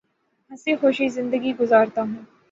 ہنسی خوشی زندگی گزارتا ہوں